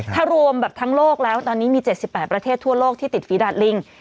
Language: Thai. ถ้ารวมแบบทั้งโลกแล้วตอนนี้มี๗๘ประเทศทั่วโลกที่ติดฝีดาดลิง